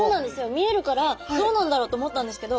見えるからどうなんだろうと思ったんですけど。